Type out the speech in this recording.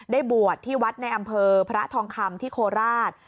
บวชที่วัดในอำเภอพระทองคำที่โคราช